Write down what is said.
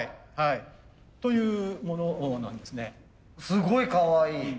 すごいかわいい！